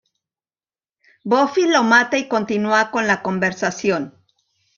Buffy lo mata y continúa con la conversación.